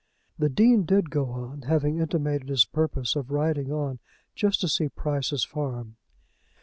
The Dean did go on, having intimated his purpose of riding on just to see Price's farm.